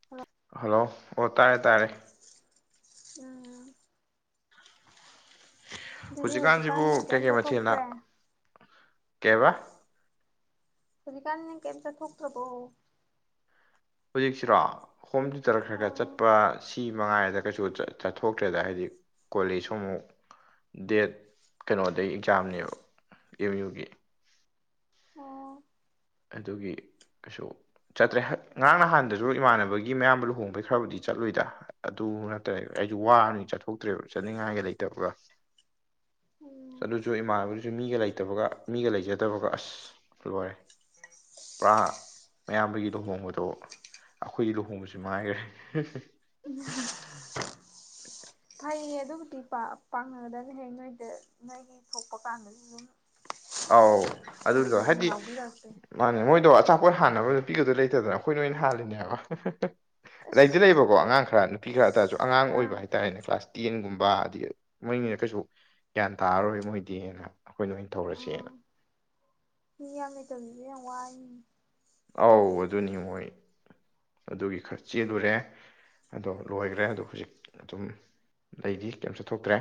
[inaudible] hello ꯑꯣ ꯇꯥꯔꯦ ꯇꯥꯔꯦ ꯎꯝ ꯑꯗꯨꯗꯤ ꯍꯧꯖꯤꯛꯀꯥꯟ ꯍꯧꯖꯤꯛꯀꯥꯟꯁꯤꯕꯨ ꯅꯪ ꯀꯩꯝ ꯀꯩꯀꯩ ꯃꯊꯦꯜꯅ ꯆꯠꯊꯣꯛꯇ꯭ꯔꯦ ꯀꯩꯕ ꯍꯧꯖꯤꯀꯥꯟ ꯅꯪ ꯀꯩꯝ ꯆꯠꯊꯣꯛꯇ꯭ꯔꯕꯣ ꯍꯧꯖꯤꯛꯁꯤꯔꯣ ꯍꯣꯝ ꯇꯨꯏꯇꯔ ꯈꯔ ꯈꯔ ꯑꯥ ꯆꯠꯄ ꯁꯤ ꯃꯉꯥꯏꯔꯦꯗ ꯀꯩꯁꯨ ꯆꯠꯊꯣꯛꯇ꯭ꯔꯦꯗ ꯍꯥꯏꯗꯤ ꯀꯣꯂꯦꯖꯁꯨ ꯑꯃꯨꯛ ꯗꯦꯠ ꯀꯩꯅꯣꯗꯩ ꯑꯦꯛꯖꯥꯝꯅꯦꯕ ꯑꯦꯝ ꯌꯨꯒꯤ ꯑꯣ ꯑꯗꯨꯒꯤ ꯑꯗꯨ ꯆꯠꯇ꯭ꯔꯦ ꯉꯔꯥꯡ ꯅꯍꯥꯟꯗꯁꯨ ꯏꯃꯥꯟꯅꯕꯒꯤ ꯃꯌꯥꯝꯕ ꯂꯨꯍꯣꯡꯕꯩ ꯈꯔꯕꯨꯗꯤ ꯆꯠꯂꯨꯏꯗ ꯑꯗꯨ ꯅꯠꯇ꯭ꯔꯦ ꯑꯩꯖꯨ ꯋꯥꯕꯅꯤ ꯆꯠꯊꯣꯛꯇ꯭ꯔꯦꯕ ꯆꯠꯅꯤꯡꯉꯥꯏꯒ ꯂꯩꯇꯕꯒ ꯎꯝ ꯑꯗꯨꯁꯨ ꯏꯃꯥꯟꯅꯕꯗꯨꯁꯨ ꯃꯤꯒ ꯂꯩꯇꯕꯒ ꯃꯤꯒ ꯂꯩꯖꯗꯕꯒ ꯑꯁ ꯂꯣꯏꯔꯦ ꯄꯨꯔꯥ ꯃꯌꯥꯝꯕꯒꯤ ꯂꯨꯍꯣꯡꯕꯗꯣ ꯑꯩꯈꯣꯏꯒꯤ ꯂꯨꯍꯣꯡꯕꯁꯤ ꯃꯉꯥꯏꯒ꯭ꯔꯦ [unintelligible] ꯐꯩꯌꯦ ꯑꯗꯨꯕꯨꯗꯤ ꯄꯥ ꯄꯥꯡꯅꯒꯗꯕꯅꯦ ꯍꯌꯦꯡ ꯅꯣꯏꯗ ꯅꯣꯏꯒꯤ ꯊꯣꯛꯄ ꯀꯥꯟꯗꯁꯨ ꯑꯗꯨꯝ ꯑꯧ ꯑꯗꯨꯗꯣ ꯅꯣꯏꯁꯨ ꯑꯗꯨꯝ ꯍꯥꯏꯗꯤ ꯌꯥꯎꯕꯤꯔꯛꯇꯦ ꯃꯥꯅꯦ ꯃꯣꯏꯗꯣ ꯑꯆꯥꯄꯣꯠ ꯍꯥꯟꯅꯕ ꯅꯨꯄꯤꯒꯗꯣ ꯂꯩꯇꯗꯅ ꯑꯩꯈꯣꯏꯅ ꯑꯣꯏꯅ ꯍꯥꯜꯂꯤꯅꯦ ꯍꯥꯏꯕ ꯑꯁ ꯂꯩꯗꯤ ꯂꯩꯕꯀꯣ ꯑꯉꯥꯡ ꯈꯔ ꯅꯨꯄꯤ ꯈꯔ [unintelligible] ꯇꯥꯔꯁꯨ ꯑꯉꯥꯡ ꯑꯣꯏꯕ ꯑꯥ ꯍꯥꯏꯇꯥꯔꯦꯅꯦ ꯀ꯭ꯂꯥꯁ ꯇꯦꯟꯒꯨꯝꯕ ꯑꯗꯩ ꯃꯣꯏꯅꯤꯅ ꯀꯩꯁꯨ ꯒ꯭ꯌꯥꯟ ꯇꯥꯔꯔꯣꯏ ꯃꯣꯏꯗꯤꯅ ꯑꯩꯈꯣꯏꯅ ꯑꯣꯏꯅ ꯇꯧꯔꯁꯤ ꯑꯥ [unintelligible] ꯃꯤ ꯌꯥꯝ ꯂꯩꯇꯕꯖꯤꯖꯨ ꯌꯥꯝ ꯋꯥꯏꯅꯤ ꯑꯧ ꯑꯗꯨꯅꯤ ꯃꯣꯏ ꯑꯗꯨꯒꯤ ꯈꯔ ꯆꯦꯜꯂꯨꯔꯦ ꯑꯗꯣ ꯂꯣꯏꯒ꯭ꯔꯦ ꯑꯗꯣ ꯍꯧꯖꯤꯛ ꯑꯗꯨꯝ ꯑꯗꯩꯗꯤ ꯀꯩꯝꯁꯨ ꯊꯣꯛꯇ꯭ꯔꯦ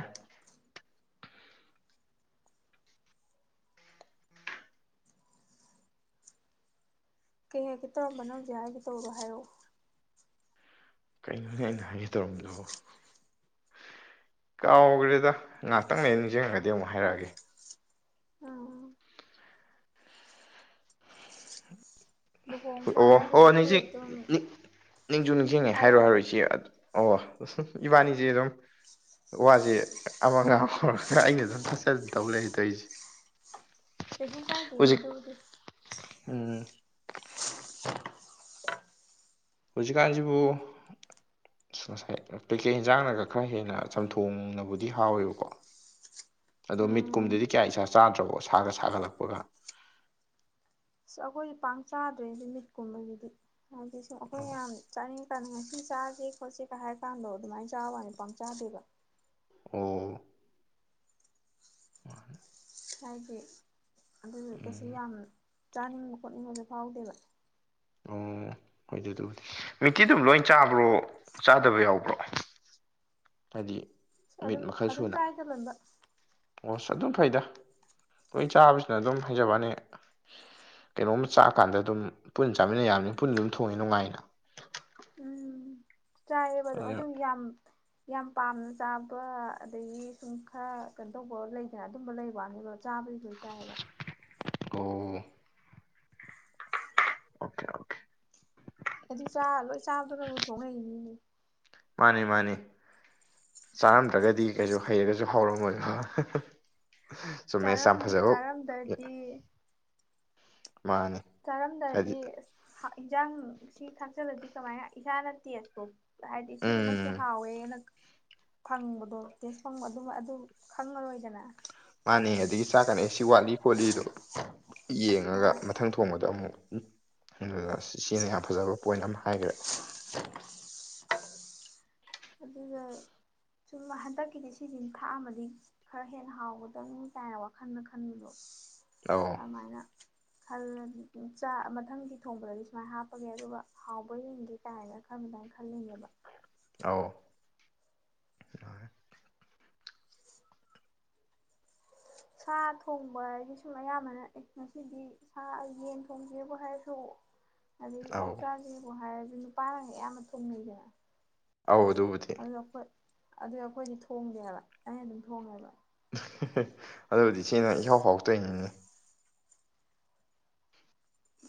ꯀꯩ ꯍꯥꯏꯒꯦ ꯇꯧꯔꯝꯕꯅꯣ ꯍꯧꯖꯤꯛ ꯍꯥꯏꯒꯦ ꯇꯧꯕꯗꯣ ꯍꯥꯏꯔꯣ ꯀꯩꯅꯣꯅꯦ ꯑꯩꯅ ꯍꯥꯏꯒꯦ ꯇꯧꯔꯝꯕꯗꯨꯕꯨ ꯀꯥꯎꯒ꯭ꯔꯦꯗ ꯉꯥꯛꯇꯪ ꯂꯩꯔꯥ ꯅꯤꯡꯖꯪꯉꯛꯑꯗꯤ ꯑꯃꯨꯛ ꯍꯥꯏꯔꯛꯑꯒꯦ ꯎꯝ ꯂꯨꯍꯣꯡꯕ ꯍꯥꯏ [unintelligible] ꯍꯧꯖꯤꯛꯇꯤ ꯅꯤꯡꯖꯤꯡ ꯑꯗꯨꯝ ꯅꯤꯡ ꯅꯤꯡꯖꯨ ꯅꯤꯡꯖꯤꯡꯉꯦ ꯍꯥꯏꯔꯣ ꯍꯥꯏꯔꯣ ꯏꯆꯦ ꯑꯣ ꯏꯕꯥꯅꯤꯖꯦ ꯑꯗꯨꯝ ꯋꯥꯖꯦ ꯑꯃꯒ ꯑꯃꯒ ꯈꯔ ꯑꯩꯅ ꯑꯗꯨꯝ ꯊꯠꯆꯟ ꯇꯧ ꯂꯩ ꯇꯧꯏꯖꯦ ꯀꯩꯁꯨꯝ ꯀꯥꯏꯗꯦꯍꯦ ꯍꯧꯖꯤꯛ ꯑꯗꯨꯕꯨꯗꯤ ꯎꯝ ꯍꯧꯖꯤꯛꯀꯥꯟꯖꯤꯕꯨ ꯉꯁꯥꯏ ꯀꯩꯀꯩ ꯏꯟꯖꯥꯡꯅꯒ ꯈꯔ ꯍꯦꯟꯅ ꯆꯝꯊꯣꯡꯅꯕꯨꯗꯤ ꯍꯥꯎꯋꯦꯕꯀꯣ ꯑꯗꯣ ꯎꯝ ꯃꯤꯠꯀꯨꯝꯕꯗꯗꯤ ꯀꯌꯥ ꯏꯆꯥ ꯆꯥꯗ꯭ꯔꯕꯣ ꯁꯥꯥꯒ ꯁꯥꯒꯠꯂꯛꯄꯒ ꯑꯁ ꯑꯩꯈꯣꯏ ꯄꯥꯛ ꯆꯥꯗ꯭ꯔꯦ ꯃꯤꯠꯀꯨꯝꯕꯖꯤꯗꯤ ꯍꯥꯏꯗꯤ ꯁꯨꯝ ꯑꯩꯈꯣꯏ ꯑꯣ ꯌꯥꯝ ꯆꯥꯅꯤꯡ ꯇꯥꯅꯤꯡ ꯉꯁꯤ ꯆꯥꯖꯤ ꯈꯣꯠꯁꯤꯒ ꯍꯥꯏꯔ ꯀꯥꯟꯗꯣ ꯑꯗꯨꯃꯥꯏ ꯆꯥꯕꯩ ꯋꯥꯅꯤ ꯄꯥꯡ ꯆꯥꯗꯦꯗ ꯑꯣ ꯍꯥꯏꯗꯤ ꯑꯗꯨꯝ ꯀꯩꯁꯨꯝ ꯌꯥꯝ ꯆꯥꯅꯤꯡꯕ ꯈꯣꯠꯅꯤꯡꯕꯖꯨ ꯐꯥꯎꯗꯦꯕ ꯑꯣ ꯍꯣꯏꯗ ꯑꯗꯨꯕꯨꯗꯤ ꯃꯤꯀꯤꯗꯨꯝ ꯂꯣꯏ ꯆꯥꯕ꯭ꯔꯣ ꯆꯥꯗꯕ ꯌꯥꯎꯕ꯭ꯔꯣ ꯍꯥꯏꯗꯤ ꯃꯤꯠ ꯑꯗꯨꯝ ꯃꯈꯜ ꯑꯗꯨꯝ ꯁꯨꯅ ꯆꯥꯏꯗ ꯂꯣꯏꯕ ꯑꯣꯁ ꯑꯗꯨꯝ ꯐꯩꯗ ꯂꯣꯏ ꯆꯥꯕꯁꯤꯅ ꯑꯗꯨꯝ ꯍꯥꯏꯖꯕꯩ ꯋꯥꯅꯤ ꯀꯩꯅꯣꯝꯃ ꯆꯥꯀꯥꯟꯗ ꯑꯗꯨꯝ ꯄꯨꯟ ꯆꯥꯃꯤꯟꯅ ꯌꯥꯕꯅꯤꯅ ꯄꯨꯟꯅ ꯑꯗꯨꯝ ꯊꯣꯡꯉꯤ ꯅꯨꯡꯉꯥꯏꯅ ꯎꯝ ꯆꯥꯏꯌꯦꯕꯗꯣ ꯑꯗꯨ ꯑꯗꯨꯅ ꯌꯥꯝ ꯌꯥꯝ ꯄꯥꯝꯅ ꯆꯥꯕ ꯑꯗꯒꯤ ꯁꯨꯝ ꯈꯔ ꯀꯩꯅꯣ ꯇꯧꯕ ꯂꯩꯗꯅ ꯑꯗꯨꯝꯕ ꯂꯩꯕ ꯋꯥꯅꯤꯕ ꯆꯥꯕꯗꯤ ꯂꯣꯏ ꯆꯥꯏꯕ ꯑꯣ ꯑꯣꯀꯦ ꯑꯣꯀꯦ ꯑꯗꯨ ꯆꯥ ꯂꯣꯏ ꯆꯥꯕꯗꯨꯅꯕꯨ ꯊꯣꯡ ꯍꯩꯅꯤꯅꯦ ꯃꯥꯅꯤ ꯃꯥꯅꯤ ꯆꯥꯔꯝꯗ꯭ꯔꯒꯗꯤ ꯀꯩꯁꯨ ꯍꯩꯔꯒꯁꯨ ꯍꯥꯎꯔꯝꯃꯣꯏꯕ ꯆꯨꯝꯃꯦꯁ ꯆꯥꯔꯝ ꯌꯥꯝ ꯐꯖꯕ ꯆꯥꯔꯝꯗ꯭ꯔꯗꯤ ꯃꯥꯅꯤ ꯆꯥꯔꯝꯗ꯭ꯔꯗꯤ ꯍꯥꯏꯗꯤ ꯏꯟꯖꯥꯡ ꯁꯤ ꯊꯥꯛꯆꯜꯂꯗꯤ ꯀꯃꯥꯏꯅ ꯏꯁꯥꯅ ꯇꯦꯁꯇꯣ ꯍꯥꯏꯗꯤ ꯁꯤ ꯃꯛꯁꯦ ꯎꯝ ꯍꯥꯎꯋꯦꯅ ꯐꯪꯕꯗꯣ ꯇꯦꯁ ꯐꯪꯕ ꯑꯗꯨ ꯑꯗꯨ ꯈꯪꯉꯔꯣꯏꯗꯅ ꯃꯥꯥꯅꯦ ꯑꯗꯒꯤ ꯆꯥ ꯀꯥꯟꯗ ꯑꯦ ꯁꯤ ꯋꯥꯠꯂꯤ ꯈꯣꯠꯂꯤꯗꯣ ꯌꯦꯡꯉꯒ ꯍꯣꯏ ꯃꯊꯪ ꯊꯣꯡꯕꯗ ꯑꯃꯨꯛ ꯑꯗꯨꯅ ꯏꯆꯦꯅ ꯌꯥꯝ ꯐꯖꯕ ꯄꯣꯏꯟ ꯑꯃ ꯍꯥꯏꯒ꯭ꯔꯦ ꯑꯗꯨꯒ ꯁꯨꯝ ꯍꯟꯗꯛꯀꯤꯗꯤ ꯁꯤꯖꯤꯃꯥ ꯊꯥꯛꯑꯝꯃꯗꯤ ꯈꯔ ꯍꯦꯟꯅ ꯍꯥꯎꯒꯗꯝꯅꯤ ꯀꯥꯏꯅ ꯋꯥꯈꯟꯗ ꯈꯟꯕꯗꯣ ꯂꯥꯎꯋꯣ ꯑꯃꯥꯏꯅ ꯈꯜꯂꯗꯤ ꯆꯥ ꯃꯊꯪꯗꯤ ꯊꯣꯡꯕꯗꯗꯤ ꯁꯨꯃꯥꯏ ꯍꯥꯞꯄꯒꯦ ꯑꯗꯨꯒ ꯍꯥꯎꯕꯔ ꯌꯦꯡꯒꯦ ꯇꯥꯏꯔ ꯈꯡꯗꯥꯥꯏ ꯈꯜꯂꯤꯅꯦꯕ ꯑꯥꯎ ꯁꯥ ꯊꯣꯡꯕ ꯍꯥꯏꯗꯤ ꯁꯨꯝ ꯑꯌꯥꯝꯕꯅ ꯑꯦ ꯉꯁꯤꯗꯤ ꯁꯥ ꯌꯦꯟ ꯊꯣꯡꯖꯦꯕꯨ ꯍꯥꯏꯔꯁꯨ ꯑꯗꯒꯤ ꯑꯣꯛ ꯑꯧ ꯆꯥꯖꯦꯕꯨ ꯍꯥꯏꯔꯖꯨ ꯅꯨꯄꯥꯅꯒ ꯑꯌꯥꯝꯕ ꯊꯣꯡꯅꯩꯗꯅ ꯑꯧ ꯑꯗꯨꯕꯨꯗꯤꯗꯤ ꯑꯗꯨ ꯑꯈꯣꯏ ꯑꯗꯨꯏ ꯑꯈꯣꯏꯗꯤ ꯊꯣꯡꯗꯦꯕ ꯑꯩꯅ ꯑꯗꯨꯝ ꯊꯣꯡꯉꯦꯕ ꯑꯗꯨꯕꯨꯗꯤ ꯁꯤꯅ ꯏꯍꯥꯎ ꯍꯥꯎꯇꯣꯏꯅꯤꯅꯦ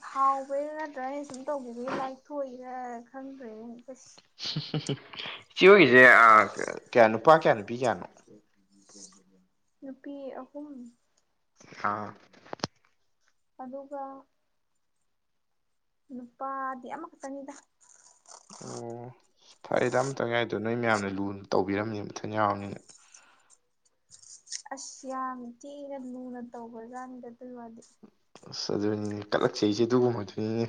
ꯍꯥꯎꯕꯩꯥ ꯅꯠꯇ꯭ꯔꯥ ꯑꯩꯅ ꯁꯨꯝ ꯇꯧꯒꯤꯕꯩ ꯂꯥꯏꯊꯣꯛꯏꯔ ꯈꯪꯗ꯭ꯔꯦꯅꯦ ꯑꯁ ꯏꯆꯦ ꯑꯣꯏꯒꯤꯖꯦ ꯑꯥ ꯀꯌꯥ ꯅꯨꯄꯥ ꯀꯌꯥ ꯅꯨꯄꯤ ꯀꯌꯥꯅꯣ ꯅꯨꯄꯤ ꯑꯍꯨꯝ ꯑꯥ ꯑꯗꯨꯒ ꯅꯨꯄꯥꯗꯤ ꯑꯃꯈꯛꯇꯪꯅꯤꯗ ꯑꯣ ꯐꯔꯦꯗ ꯑꯃ ꯇꯪ ꯌꯥꯎꯋꯤꯗꯣ ꯅꯣꯏ ꯃꯌꯥꯝꯅ ꯂꯨꯅ ꯇꯧꯕꯤꯔꯝꯅꯦ ꯃꯊꯟ ꯌꯥꯎꯔꯝꯅꯤꯅ ꯑꯁ ꯌꯥꯝꯅ ꯊꯤꯅ ꯂꯨꯅ ꯇꯧꯕꯖꯥꯅꯤꯗ ꯑꯗꯨꯒꯤ ꯋꯥꯗꯤ ꯑꯁ ꯑꯗꯨꯅꯤꯅꯦ ꯀꯠꯂꯛꯆꯩꯖꯦ ꯑꯗꯨꯒꯨꯝꯕꯗꯨꯅꯤꯅꯦ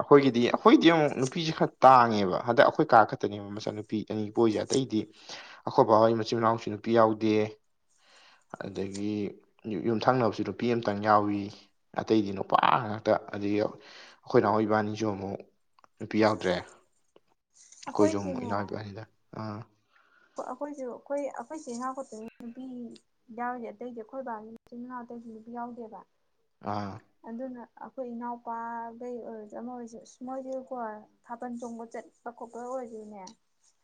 ꯑꯈꯣꯏꯒꯤꯗꯤ ꯑꯈꯣꯏꯗꯤ ꯑꯃꯨꯛ ꯅꯨꯄꯤꯖꯦ ꯈꯔ ꯇꯥꯡꯉꯦꯕ ꯍꯟꯗꯛ ꯑꯈꯣꯏ ꯀꯥ ꯈꯛꯇꯅꯦ ꯃꯆꯥ ꯅꯨꯄꯤ ꯑꯅꯤ ꯄꯣꯛꯏꯖꯦ ꯑꯇꯩꯗꯤ ꯑꯈꯣꯏ ꯕꯥ ꯍꯣꯏ ꯃꯆꯤꯟ ꯃꯅꯥꯎꯁꯨ ꯅꯨꯄꯤ ꯌꯥꯎꯗꯦ ꯑꯗꯒꯤ ꯌꯨꯝꯊꯪꯅꯕꯁꯨ ꯅꯨꯄꯤ ꯑꯃꯇꯪ ꯌꯥꯎꯋꯤ ꯑꯇꯩꯗꯤ ꯅꯨꯄꯥ ꯉꯥꯛꯇ ꯑꯗꯒꯤ ꯈꯣꯏ ꯅꯥꯎ ꯏꯕꯥꯅꯤꯖꯨ ꯑꯃꯨꯛ ꯅꯨꯄꯤ ꯌꯥꯎꯗ꯭ꯔꯦ ꯑꯈꯣꯏꯁꯖꯨ ꯑꯃꯨꯛ ꯑꯩꯈꯣꯏꯁꯨꯅꯦ ꯏꯅꯥꯎꯄꯥ ꯑꯅꯤꯗ ꯑꯥ ꯑꯈꯣꯏꯖꯨ ꯑꯈꯣꯏ ꯑꯈꯣꯏꯆꯦꯅ ꯑꯈꯣꯏꯄꯨ ꯅꯨꯄꯤꯒꯤ ꯌꯥꯎꯔꯤꯖꯦ ꯑꯇꯩꯗꯤ ꯑꯈꯣꯏ ꯕꯥꯒꯤ ꯃꯆꯤꯟ ꯃꯅꯥꯎ ꯑꯇꯩꯗꯤ ꯅꯨꯄꯤ ꯌꯥꯎꯗꯦꯕ ꯑꯥ ꯑꯗꯨꯅ ꯑꯈꯣꯏ ꯏꯅꯥꯎꯄꯥꯒꯩ ꯑꯣꯏꯔꯖꯨ ꯑꯃ ꯑꯣꯏꯖꯨ ꯁꯨꯝ ꯃꯣꯏꯖꯦ ꯀꯣ ꯊꯥꯕꯜ ꯆꯣꯡꯕ ꯆꯠꯄ ꯈꯣꯠꯄ ꯑꯣꯏꯖꯨꯅꯦ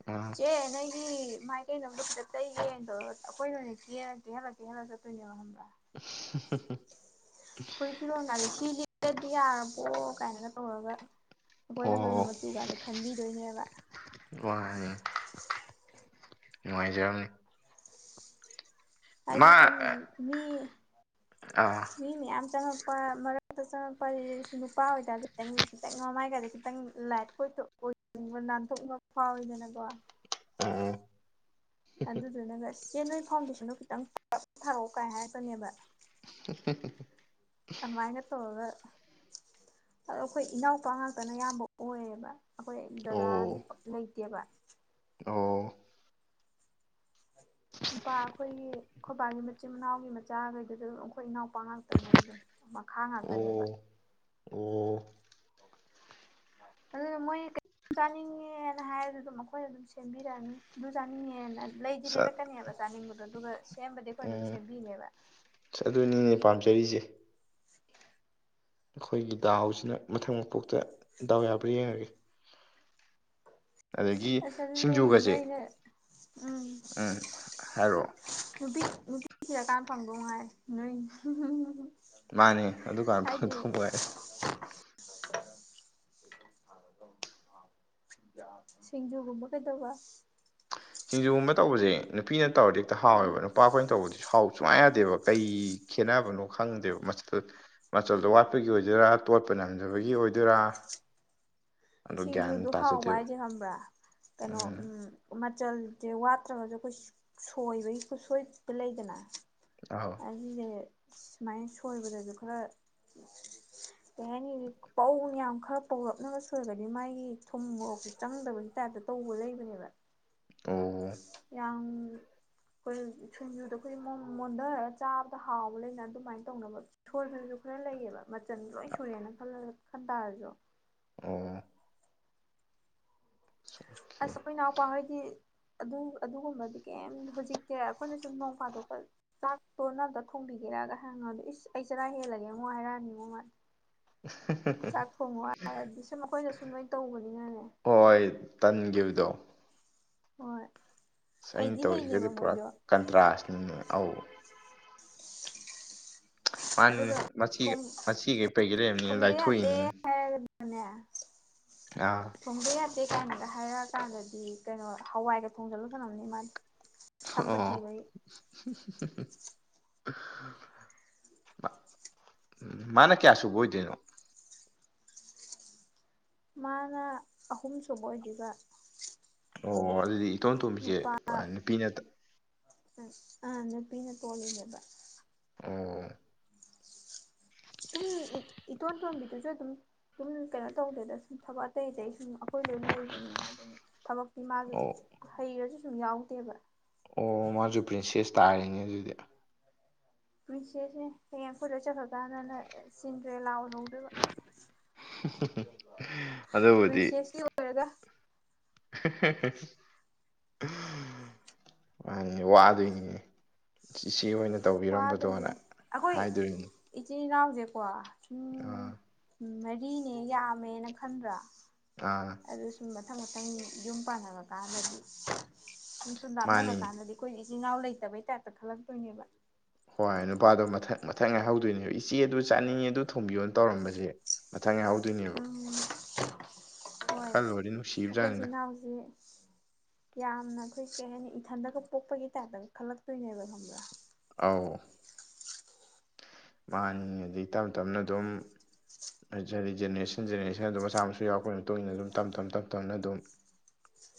ꯎꯝ ꯆꯦ ꯅꯣꯏꯒꯤ ꯃꯥꯏ ꯀꯦꯅꯕꯗꯣ ꯈꯤꯠꯇ ꯇꯩꯒꯦꯅ ꯇꯧꯔꯒ ꯑꯈꯣꯏꯅ ꯑꯣꯏꯅ ꯀꯦꯔ ꯀꯦꯍꯜꯂ ꯀꯦꯟꯦꯜꯂ ꯆꯠꯇꯣꯏꯅꯦꯕ ꯈꯪꯕ꯭ꯔꯥ [unintelligible] ꯁꯤ ꯂꯣꯟ ꯅꯖꯦ ꯁꯤ ꯂꯤꯠꯂꯗꯤ ꯌꯥꯔꯕꯣ ꯀꯥꯏꯅꯒ ꯇꯧꯔꯒ ꯑꯈꯣꯏꯅꯈꯣꯏꯅ ꯃꯆꯨ ꯒꯖꯦ ꯈꯟꯕꯤꯗꯣꯏꯅꯦꯕ ꯋꯥꯅꯦ ꯅꯨꯉꯥꯏꯖꯔꯝꯅꯤ ꯃꯥ ꯍꯥꯏꯗꯤ ꯁꯨꯝ ꯃꯤ ꯑꯥ ꯃꯤ ꯃꯌꯥꯝ ꯆꯪꯉꯛꯄ ꯃꯔꯛꯇ ꯆꯪꯉꯛꯄꯒꯤꯖꯤꯗꯤ ꯅꯨꯄꯥ ꯑꯣꯏꯇꯥꯖꯨ ꯈꯤꯇꯪ ꯈꯤꯇꯪ ꯃꯃꯥꯏꯒꯖꯦ ꯈꯤꯇꯪ ꯂꯥꯏꯠ ꯑꯣꯏꯇꯣꯛ ꯑꯣꯏꯅꯤꯡꯕ ꯅꯥꯟꯊꯣꯛꯅꯤꯡꯕ ꯐꯥꯎꯋꯤꯗꯅꯀꯣ ꯎꯝ ꯑꯗꯨꯗꯨꯅꯒ ꯆꯦ ꯅꯣꯏ ꯐꯥꯎꯟꯗꯦꯁꯟꯗꯣ ꯈꯤꯇꯪ ꯊꯥꯔꯛꯑꯣ ꯀꯥꯏ ꯍꯥꯏꯔꯛꯀꯅꯦꯕ [unintelligible] ꯑꯃꯥꯏꯅ ꯇꯧꯔꯒ ꯑꯗꯣ ꯑꯈꯣꯏ ꯏꯅꯥꯎꯄꯥ ꯉꯥꯛꯇꯅ ꯌꯥꯝꯕ ꯑꯣꯏꯌꯦꯕ ꯑꯈꯣꯏ ꯗꯗꯥꯗꯤ ꯑꯣ ꯄꯛ ꯂꯩꯇꯦꯕ ꯑꯣ ꯅꯨꯄꯥ ꯑꯩꯈꯣꯏꯒꯤ ꯈꯣꯏꯕꯥꯒꯤ ꯃꯆꯤꯟ ꯃꯅꯥꯎꯒꯤ ꯃꯆꯥꯈꯩꯗꯨꯁꯨ ꯑꯗꯨꯝ ꯑꯩꯈꯣꯏ ꯏꯅꯥꯎꯄꯥ ꯉꯥꯛꯇꯅꯦꯕ ꯑꯗꯨꯝ ꯃꯈꯥ ꯉꯥꯛꯇꯅꯦꯕ ꯑꯣ ꯑꯣ ꯑꯗꯨꯅ ꯃꯣꯏ ꯆꯥꯅꯤꯡꯉꯦꯅ ꯍꯥꯏꯔꯁꯨ ꯑꯗꯨꯝ ꯑꯩꯈꯣꯏꯅ ꯑꯗꯨꯝ ꯁꯦꯝꯕꯤꯔꯛꯅꯤ ꯑꯗꯨ ꯆꯥꯅꯤꯡꯉꯦꯅ ꯂꯩꯗꯤ ꯁꯠ ꯂꯩꯔꯛꯀꯅꯦꯕ ꯆꯥꯅꯤꯡꯕꯗꯣ ꯑꯗꯨꯒ ꯁꯦꯝꯕꯗꯤ ꯑꯩꯈꯣꯏ ꯑꯗꯨꯝ ꯎꯝ ꯁꯦꯝꯕꯤꯅꯦꯕ ꯑꯗꯨꯅꯤꯅꯦ ꯄꯥꯝꯖꯔꯤꯁꯦ ꯑꯩꯈꯣꯏꯒꯤ ꯗꯥꯎꯁꯤꯅ ꯃꯊꯪ ꯃꯄꯣꯛꯇ ꯗꯥꯎ ꯌꯥꯕ꯭ꯔꯥ ꯌꯦꯡꯉꯒꯦ ꯑꯗꯒꯤ ꯑꯁ ꯑꯗꯨꯗꯤ ꯍꯌꯦꯡ ꯁꯤꯡꯖꯨꯒꯁꯦ ꯅꯣꯢꯅ ꯎꯝ ꯍꯥꯏꯔꯛꯑꯣ ꯅꯨꯄꯤ ꯅꯨꯄꯤ ꯊꯤꯔ ꯀꯥꯟ ꯐꯪꯗꯧ ꯐꯪꯗꯧ ꯃꯥꯜꯂꯦ ꯅꯣꯏ ꯃꯥꯅꯦ ꯑꯗꯨ ꯀꯥꯟ ꯍꯥꯏꯗꯤ ꯐꯪꯗꯧꯕ ꯉꯥꯢꯔꯦ ꯁꯤꯡꯖꯨꯒꯨꯝꯕ ꯀꯩꯗꯧꯕ ꯁꯤꯡꯖꯨꯒꯨꯝꯕ ꯇꯧꯕꯁꯦ ꯅꯨꯄꯤꯅ ꯇꯧꯔꯗꯤ ꯍꯦꯛꯇ ꯑꯥ ꯍꯥꯎꯋꯦꯕ ꯅꯨꯄꯥ ꯑꯩꯈꯣꯏꯅ ꯇꯧꯕꯗꯤ ꯍꯥꯎ ꯁꯨꯡꯌꯥ ꯌꯥꯗꯦꯕ ꯀꯩ ꯈꯦꯠꯅꯕꯅꯣ ꯈꯪꯗꯦꯕ ꯃꯆꯥꯜ ꯃꯆꯜꯗꯣ ꯋꯥꯠꯄꯒꯤ ꯑꯣꯏꯗꯣꯏꯔꯥ ꯇꯣꯠꯄ ꯅꯝꯗꯕꯒꯤ ꯑꯣꯏꯗꯣꯏꯔꯥ ꯑꯗꯣ ꯒ꯭ꯌꯥꯟ ꯁꯤꯡꯖꯨꯗꯣ ꯍꯥꯎꯕ ꯇꯥꯖꯗꯦꯕ ꯍꯥꯏꯁꯦ ꯈꯝꯕ꯭ꯔꯥ ꯀꯩꯅꯣ ꯎꯝ ꯃꯆꯜꯁꯦ ꯋꯥꯠꯇ꯭ꯔꯒꯁꯨ ꯑꯩꯈꯣꯏ ꯁꯣꯏꯕꯒꯤ ꯈꯨꯠꯁꯣꯏꯗ ꯂꯩꯗꯅ ꯑꯧ ꯑꯁꯤꯁꯦ ꯁꯨꯃꯥꯏꯅ ꯁꯣꯏꯕꯗꯁꯨ ꯈꯔ ꯀꯩ ꯍꯥꯏꯅꯤ ꯄꯧ ꯌꯥꯝꯌꯥꯝ ꯈꯔ ꯄꯧꯔꯞꯅꯕ ꯁꯣꯏꯨꯔꯒꯗꯤ ꯃꯥꯒꯤ ꯊꯨꯝ ꯃꯣꯔꯣꯛꯁꯦ ꯆꯪꯗꯕꯒꯤ ꯇꯥꯏꯞꯇ ꯇꯧꯕ ꯂꯩꯕꯅꯦꯕ ꯑꯣ ꯌꯥꯝ ꯑꯩꯈꯣꯏ ꯁꯤꯡꯖꯨꯗꯣ ꯑꯩꯈꯣꯏ ꯃꯣꯟꯊꯔꯒ ꯆꯥꯕꯗ ꯍꯥꯎꯕ ꯂꯩꯅ ꯑꯗꯨꯃꯥꯏꯅ ꯇꯧꯅꯕ ꯁꯣꯢꯕꯗꯨꯁꯨ ꯈꯔ ꯂꯩꯌꯦꯕ ꯃꯆꯟ ꯂꯣꯏ ꯁꯨꯔꯦꯅ ꯈꯜꯂ ꯈꯜꯇꯥꯔꯁꯨ ꯑꯣ ꯑꯣꯀꯦ ꯑꯁ ꯑꯩꯈꯣꯏ ꯢꯅꯧꯄ ꯈꯣꯢꯗꯣ ꯑꯗꯨ ꯑꯗꯨꯒꯨꯝꯕꯗꯤ ꯀꯩꯝ ꯍꯧꯖꯤꯛꯇꯤ ꯑꯩꯈꯣꯏꯅ ꯁꯨꯝ ꯅꯣꯡ ꯐꯥꯗꯣꯛꯀ ꯆꯥꯛꯇꯣ ꯅꯪ ꯑꯝꯇ ꯊꯣꯡꯕꯤꯒꯦꯔꯥꯒ ꯍꯥꯏꯔ ꯍꯪꯉꯗꯤ ꯑꯗꯨ ꯏꯁ ꯑꯩ ꯆꯔꯥ ꯍꯦꯜꯂꯒꯦ ꯑꯃꯨꯛ ꯍꯥꯏꯔꯛꯑꯅꯤꯉꯣ ꯃꯥ ꯆꯥꯛ ꯊꯣꯡꯉꯣ ꯍꯥꯏꯔꯗꯤ ꯁꯨꯝ ꯑꯩꯈꯣꯏꯅ ꯁꯨꯝ ꯂꯣꯏ ꯇꯧꯕꯅꯤꯅꯅꯦ ꯍꯣꯏ ꯇꯟꯈꯤꯕꯗꯣ ꯍꯣꯏ ꯑꯁ ꯑꯩꯅ ꯍꯩꯗꯤ ꯇꯧꯔꯤꯁꯤꯒꯗꯤ ꯍꯩꯅꯦꯕ ꯄꯨꯔꯥ ꯃꯣꯏꯁꯨ ꯀꯟꯇ꯭ꯔꯥꯁꯅꯤꯅꯦ ꯑꯧ ꯃꯥꯅꯤꯅꯦ ꯑꯗꯨꯒ ꯃꯆꯦ ꯊꯣꯡ ꯃꯆꯦ ꯀꯩ ꯄꯩꯉꯩ ꯂꯩꯔꯝꯅꯤꯅ ꯊꯣꯡꯗ ꯌꯥꯗꯦ ꯂꯥꯏꯊꯣꯛꯏꯅꯤ ꯑꯥ ꯊꯣꯡꯗ ꯌꯥꯗꯦ ꯀꯥꯏꯅꯗ ꯍꯥꯏꯔꯛꯑꯀꯥꯟꯗꯗꯤ ꯀꯩꯅꯣ ꯍꯋꯥꯏꯒ ꯊꯣꯡꯖꯜꯂ ꯊꯥꯅꯝꯅꯤ ꯃꯥꯗꯤ ꯁꯝꯕ ꯑꯣ ꯊꯤꯕꯒꯤ ꯎꯝ ꯃꯥꯅ ꯀꯌꯥ ꯁꯨꯕ ꯑꯣꯏꯗꯣꯏꯅꯣ ꯃꯥꯅ ꯑꯍꯨꯝꯁꯨꯨꯕ ꯑꯣꯏꯗꯨꯢꯕ ꯑꯣ ꯑꯣ ꯑꯗꯨꯗꯤ ꯏꯇꯣꯝꯇꯣꯝꯕꯤꯁꯦ ꯅꯨꯄꯤꯅ ꯑ ꯅꯨꯄꯤꯅ ꯇꯣꯜꯂꯤꯅꯦꯕ ꯑꯣ ꯇꯨꯝ ꯏꯇꯣꯟ ꯇꯣꯝꯗꯤꯗꯨꯁꯨ ꯑꯗꯨꯝ ꯁꯨꯝ ꯀꯩꯅꯣ ꯇꯧꯗꯦꯗ ꯁꯨꯝ ꯊꯕꯛ ꯑꯇꯩ ꯑꯇꯩ ꯁꯨꯝ ꯑꯩꯈꯣꯏ ꯂꯣꯏꯅ ꯂꯩꯕꯅꯤꯅ ꯑꯗꯨꯝ ꯊꯕꯛꯇꯤ ꯃꯥꯁꯨ ꯑꯣ ꯍꯩꯔꯁꯨ ꯁꯨꯝ ꯌꯥꯎꯗꯦꯕ ꯑꯣ ꯃꯥꯁꯨ ꯄ꯭ꯔꯤꯟꯁꯦꯁ ꯇꯥꯔꯦꯅꯦ ꯑꯗꯨꯗꯤ ꯄ꯭ꯔꯤꯟꯁꯦꯅꯦ ꯍꯌꯦꯡ ꯑꯩꯈꯣꯏ ꯂꯣꯏꯆꯠꯈ꯭ꯔꯥ ꯀꯥꯟꯗꯅ ꯆꯤꯟꯗ꯭ꯔꯦꯂꯥ ꯑꯣꯏꯍꯧꯗꯣꯏꯕ [inaudible] ꯑꯗꯨꯕꯨꯗꯤ ꯄ꯭ꯔꯤꯟꯁꯦꯁꯇꯤ ꯑꯣꯏꯔꯒ [unintelligible] ꯃꯥꯅꯤꯅꯦ ꯋꯥꯗꯣꯏꯅꯤꯅꯦ ꯏꯆꯦ ꯑꯣꯏꯅ ꯇꯧꯕꯤꯔꯝꯕꯗꯣꯅ ꯋꯥꯗꯣꯏꯅꯦ ꯑꯩꯈꯣꯏ ꯍꯥꯏꯗꯣꯏꯅꯤ ꯏꯆꯤꯜ ꯏꯅꯥꯎꯁꯦꯀꯣ ꯑꯥ ꯁꯨꯝ ꯃꯔꯤꯅꯦ ꯌꯥꯝꯃꯦꯅ ꯈꯟꯗ꯭ꯔꯥ ꯑꯥ ꯑꯗꯨ ꯁꯨꯝ ꯃꯊꯪ ꯃꯊꯪ ꯌꯨꯝ ꯄꯥꯟꯅꯕ ꯀꯥꯟꯗꯗꯤ ꯁꯨꯝ ꯁꯨꯝ ꯂꯥꯞꯅꯒ꯭ꯔꯥ ꯃꯥꯅꯤ ꯀꯥꯟꯗꯗꯤ ꯑꯩꯈꯣꯏ ꯏꯆꯤꯟ ꯏꯅꯥꯎ ꯂꯩꯇꯕꯩ ꯇꯥꯏꯞꯇ ꯈꯜꯂꯛꯇꯣꯏꯅꯦꯕ ꯍꯣꯏ ꯅꯨꯄꯥꯗꯣ ꯃꯊꯪ ꯃꯊꯪ ꯉꯥꯏꯍꯧꯗꯣꯏꯅꯦꯕ ꯏꯆꯦ ꯑꯗꯨ ꯆꯥꯅꯤꯡꯉꯦ ꯑꯗꯨ ꯊꯣꯡꯕꯤꯌꯣꯅ ꯇꯧꯔꯝꯕꯖꯦ ꯃꯊꯪ ꯉꯥꯏꯍꯧꯗꯣꯏꯅꯦꯕ ꯎꯝ ꯍꯣꯏ ꯈꯜꯂꯨꯔꯗꯤ ꯅꯨꯡꯁꯤꯕꯖꯥꯅꯤꯗ [unintelligible] ꯌꯥꯝꯅ ꯑꯩꯈꯣꯏ ꯀꯩ ꯍꯥꯏꯅꯤ ꯏꯊꯟꯇꯒ ꯄꯣꯛꯄꯒꯤ ꯇꯥꯏꯞꯇꯒ ꯈꯜꯂꯛꯇꯣꯏꯅꯦꯕ ꯈꯪꯕ꯭ꯔꯥ ꯑꯥꯎ ꯃꯥꯅꯤ ꯑꯗꯩ ꯇꯞ ꯇꯞꯅ ꯑꯗꯨꯝ ꯍꯥꯏꯗꯤ ꯖꯦꯅꯦꯔꯦꯁꯟ ꯖꯦꯅꯦꯔꯦꯁꯟ ꯑꯗꯨꯝ ꯃꯆꯥ ꯃꯁꯨ ꯌꯧꯔꯛꯄꯒꯤ ꯇꯣꯏꯅ ꯑꯗꯨꯝ ꯇꯝ ꯇꯝ ꯇꯞ ꯇꯞꯅ ꯑꯗꯨꯝ [inaudible]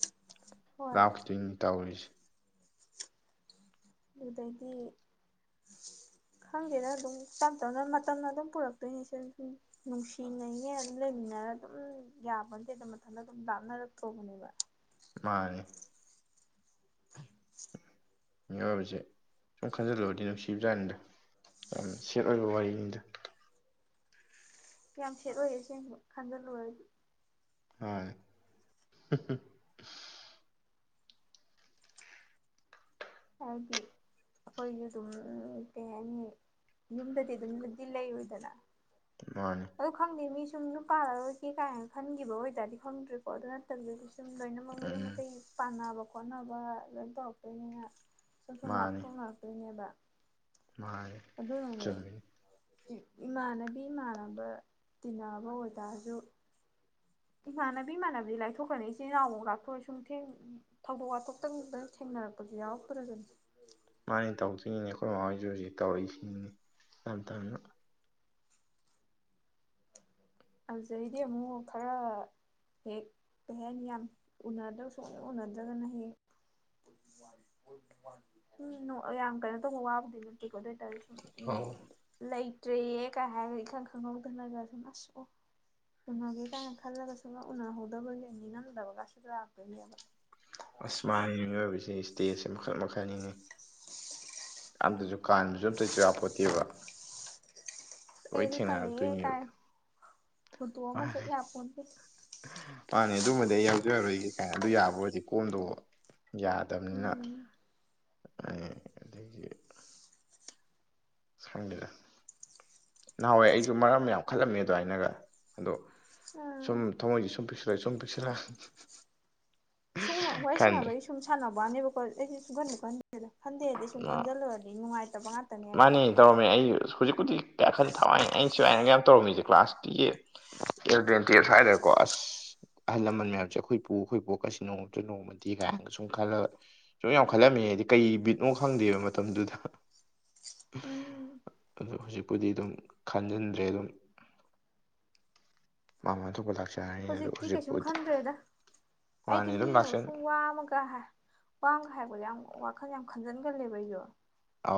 ꯍꯣꯏ ꯂꯥꯞꯈꯤꯗꯣꯏꯅꯤ ꯇꯧꯔꯤꯁꯦ ꯑꯗꯩꯗꯤ ꯈꯪꯗꯦꯗ ꯑꯗꯨꯝ ꯇꯝ ꯇꯝꯅ ꯃꯇꯝꯅ ꯑꯗꯨꯝ ꯄꯨꯔꯛꯇꯣꯏꯅꯦ [unintelligible] ꯅꯨꯡꯁꯤꯅꯩꯌꯦ ꯑꯗꯨꯝ ꯂꯩꯃꯤꯟꯅꯔ ꯑꯗꯨꯝ ꯌꯥꯕꯗꯤ ꯅꯠꯇꯦ ꯑꯗꯨꯝ ꯃꯊꯟꯇ ꯑꯗꯨꯝ ꯂꯥꯞꯅꯔꯛ ꯇꯣꯔꯕꯅꯦꯕ ꯃꯥꯅꯤ ꯃꯤꯑꯣꯏꯕꯁꯦ ꯁꯨꯝ ꯈꯟꯖꯤꯜꯂꯨꯔꯗꯤ ꯅꯨꯡꯁꯤꯕꯖꯥꯠꯅꯤꯗ ꯌꯥꯝ ꯁꯦꯠ ꯑꯣꯏꯕ ꯋꯥꯔꯤꯅꯤꯗ ꯌꯥꯝ ꯁꯦꯠ ꯑꯣꯏꯌꯦ ꯑꯁꯦꯡꯕ ꯈꯟꯖꯜꯂꯨꯔꯗꯤ ꯍꯣꯏ ꯍꯥꯗꯤ ꯑꯩꯈꯣꯏꯁꯨ ꯑꯗꯨꯝ ꯀꯩ ꯍꯥꯏꯅꯤ ꯌꯨꯝꯗꯗꯤ ꯑꯗꯨꯝꯗꯤ ꯂꯩꯔꯣꯏꯗꯅ ꯃꯥꯅꯤ ꯑꯣ ꯈꯪꯗꯦ ꯃꯤ ꯁꯨꯝ ꯌꯨꯝꯄꯥꯜꯔꯔꯣꯏꯒꯦ ꯀꯥꯏꯅ ꯈꯟꯈꯤꯕ ꯑꯣꯏꯇꯥꯔꯗꯤ ꯈꯪꯗ꯭ꯔꯦ ꯀꯣ ꯑꯗꯨ ꯅꯠꯇꯕꯤꯗꯗꯤ ꯁꯨꯝ ꯂꯣꯏꯅꯃꯛ ꯃꯌꯨꯝ ꯎꯝ ꯃꯀꯩ ꯄꯥꯟꯅꯕ ꯈꯣꯠꯅꯕ ꯂꯣꯏ ꯇꯧꯔꯛꯇꯣꯏꯅꯤꯅ ꯁꯨꯝ ꯁꯨꯝ ꯃꯥꯅꯤ ꯂꯥꯞꯊꯣꯛꯅꯔꯛꯇꯣꯏꯅꯦꯕ ꯃꯥꯅꯤ ꯑꯗꯨꯅꯅꯦ ꯆꯨꯝꯃꯤꯅꯤ ꯏꯃꯥꯟꯅꯕꯤ ꯏꯃꯥꯟꯅꯕ ꯇꯤꯟꯅꯕ ꯑꯣꯇꯥꯔꯖꯨ ꯏꯃꯥꯟꯅꯕꯤ ꯏꯃꯥꯟꯅꯕꯗꯤ ꯂꯥꯏꯊꯣꯛꯈ꯭ꯔꯥꯅꯤ ꯏꯆꯦ ꯏꯅꯥꯥꯎ ꯑꯃꯨꯛ ꯂꯥꯞꯊꯣꯛ ꯁꯨꯝ ꯊꯦꯡ ꯊꯧꯗꯣꯛ ꯋꯥꯊꯣꯛꯇꯪꯗꯪ ꯊꯦꯡꯅꯔꯛꯄꯁꯨ ꯌꯥꯎꯔꯛ ꯇꯩꯔꯤꯕꯅꯤ ꯃꯥꯅꯤ ꯇꯧꯗꯣꯏꯅꯤꯅꯦ ꯑꯩꯈꯣꯏ ꯃꯃꯥ ꯍꯣꯏꯁꯨ ꯍꯧꯖꯤꯛ ꯇꯧꯔꯤꯁꯤꯅꯤꯅꯦ ꯇꯝ ꯇꯝꯅ ꯑꯗꯩꯗꯤ ꯑꯃꯨꯛ ꯈꯔ ꯍꯦꯛ ꯑꯍꯦꯟ ꯌꯥꯝ ꯎꯅꯗ꯭ꯔꯧ ꯁꯨꯛꯎꯟ ꯎꯅꯗ꯭ꯔꯥꯒꯅ ꯍꯦꯛ ꯁꯨꯝ ꯌꯥꯝ ꯀꯩꯅꯣ ꯇꯧꯕ ꯋꯥꯕꯨꯗꯤ ꯅꯠꯇꯦꯀꯣ ꯑꯗꯨꯏꯇꯥꯔꯖꯨ ꯑꯧ ꯂꯩꯇ꯭ꯔꯦꯌꯦ ꯀꯥꯏ ꯍꯥꯏꯔꯒ ꯏꯈꯪ ꯈꯪꯍꯧꯗꯅꯒ ꯑꯁ ꯑꯣ ꯎꯅꯒꯦ ꯀꯥꯏꯅ ꯈꯜꯂꯒꯁꯨ ꯁꯨꯛꯎꯟ ꯎꯅꯍꯧꯗꯕꯒꯤ ꯅꯤꯉꯝꯗꯕꯒꯁꯨ ꯂꯥꯛꯇꯣꯏꯅꯦꯕ ꯑꯁ ꯃꯥꯟꯅꯤꯅꯦ ꯃꯤꯑꯣꯏꯕꯁꯦ ꯏꯁꯇꯦꯖꯁ ꯃꯈꯜ ꯃꯈꯜꯅꯤꯅꯦ ꯑꯝꯇꯖꯨ ꯀꯥꯟꯕꯁꯨ ꯑꯝꯇꯖꯨ ꯌꯥꯄꯣꯟꯇꯦꯕ ꯑꯩ ꯑꯗꯨ ꯀꯥꯟꯅꯤꯉꯦ ꯊꯦꯡꯅꯔꯛꯇꯣꯏꯅꯦꯕ ꯀꯥꯏ ꯍꯨꯟꯗꯣꯛꯑꯝꯒ ꯃꯥꯅꯤ ꯆꯠ ꯌꯥꯄꯣꯟꯇꯦ ꯃꯥꯅꯦ ꯑꯗꯨꯃꯗꯤ ꯑꯩ ꯌꯥꯎꯖꯔꯔꯣꯏꯒꯦ ꯀꯥꯏꯅ ꯑꯗꯨ ꯌꯥꯕ ꯑꯣꯏꯗꯤ ꯀꯣꯝꯗꯧꯕ ꯌꯥꯗꯝꯅꯤꯅ ꯎꯝ ꯑꯩ ꯑꯗꯒꯤ ꯈꯪꯗꯦꯗ ꯅꯍꯥꯟꯋꯥꯏ ꯑꯩꯁꯨ ꯃꯔꯝ ꯌꯥꯝ ꯈꯜꯂꯝꯃꯦ ꯑꯗꯨꯃꯥꯏꯅꯒ ꯑꯗꯣ ꯎꯝ ꯁꯨꯝ ꯊꯃꯣꯏꯁꯦ ꯁꯨꯝ ꯄꯤꯛꯁꯤꯜꯂꯛꯑꯦ ꯁꯨꯝ ꯄꯤꯛꯁꯤꯜꯂꯛ ꯁꯨꯝ ꯋꯥꯔꯤ ꯁꯥꯟꯅꯕꯒꯤ ꯁꯨꯝ ꯁꯥꯟꯅꯕꯋꯥꯅꯦꯀꯣ ꯑꯩꯗꯤ ꯁꯨꯡꯈꯟꯕꯨ ꯈꯟꯗꯦ ꯈꯟꯗꯦꯗꯤ ꯁꯨꯝ ꯑ, ꯈꯟꯖꯤꯜꯂꯨꯔꯗꯤ ꯅꯨꯡꯉꯥꯏꯇꯕ ꯉꯥꯛ ꯃꯥꯅꯦ ꯇꯧꯔꯝꯃꯦ ꯑꯩ ꯍꯧꯖꯤꯛꯄꯨꯖꯤꯛ ꯀꯌꯥꯈꯟ ꯊꯋꯥꯏ ꯑꯩꯅ ꯁꯨꯋꯥꯏꯅꯒ ꯌꯥꯝ ꯇꯧꯔꯝꯃꯤꯁꯦ ꯀ꯭ꯂꯥꯁ ꯇꯨꯌꯦꯜꯐ ꯏꯂꯕꯦꯟ ꯇꯨꯋꯦꯐ ꯁ꯭ꯋꯥꯏꯗꯒꯀꯣ ꯑꯁ ꯑꯍꯜ ꯂꯃꯟ ꯃꯌꯥꯝꯁꯦ ꯑꯈꯣꯏ ꯄꯨ ꯑꯈꯣꯏ ꯕꯣꯛ ꯀꯁꯦ ꯅꯣꯡꯃ ꯅꯠꯇ꯭ꯔꯥ ꯅꯣꯡꯃꯗꯤ ꯀꯥꯏꯅꯒ ꯁꯨꯝ ꯈꯜꯂꯒ ꯁꯨꯌꯥꯝ ꯈꯜꯂꯝꯃꯦꯗꯤ ꯀꯩ ꯕꯤꯠꯅꯣ ꯈꯪꯗꯦꯕ ꯃꯇꯝꯗꯨꯗ ꯎꯝ ꯑꯗꯨ ꯍꯨꯖꯤꯛꯄꯨꯗꯤ ꯑꯗꯨꯝ ꯈꯟꯖꯤꯟꯗ꯭ꯔꯦ ꯑꯗꯨꯝ ꯃꯥ ꯃꯥ ꯊꯣꯛꯄ ꯂꯥꯛꯁ ꯍꯨꯖꯤꯛꯇꯤ ꯀꯩꯁꯨꯝ ꯈꯟꯗ꯭ꯔꯦꯗ ꯃꯥꯅꯤ ꯑꯩꯗꯤ ꯑꯗꯨꯝ ꯃꯤꯅꯒ ꯂꯥꯛꯆꯅꯤ ꯁꯨꯝ ꯋꯥ ꯑꯃꯒ ꯍꯥꯏ ꯋꯥ ꯑꯝꯒꯥ ꯍꯥꯏꯔꯛꯄꯁꯦ ꯌꯥꯝ ꯋꯥꯈꯜ ꯌꯥꯝ ꯈꯟꯖꯟꯒꯜꯂꯦꯕ ꯑꯩꯖꯨ ꯑ